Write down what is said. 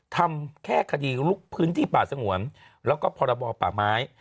ทำแค่คดีลุกพื้นที่ป่าสงวนแล้วก็พรบป่าไม้